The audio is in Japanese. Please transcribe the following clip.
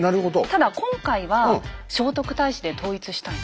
ただ今回は聖徳太子で統一したいなと。